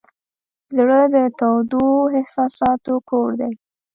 زړه د تودو احساساتو کور دی.